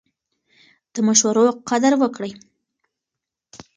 د مشورو قدر وکړئ.